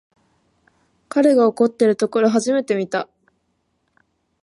彼が怒ってるところ初めて見た